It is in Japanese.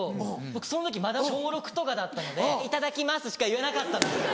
僕その時まだ小６とかだったので「頂きます」しか言えなかったんですよ。